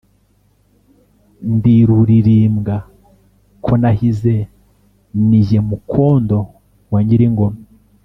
Ndi Rulirimbwa ko nahize, ni jye mukondo wa Nyilingoma.